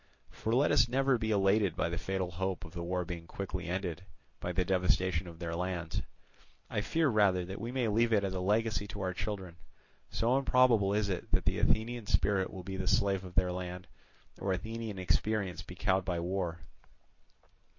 For let us never be elated by the fatal hope of the war being quickly ended by the devastation of their lands. I fear rather that we may leave it as a legacy to our children; so improbable is it that the Athenian spirit will be the slave of their land, or Athenian experience be cowed by war.